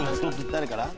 誰から？